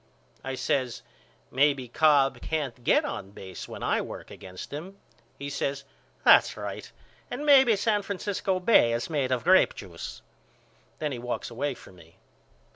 I says Maybe Cobb can't get on base when I work against him. He says That's right and maybe San Francisco Bay is made of grapejuice. Then he walks away from me.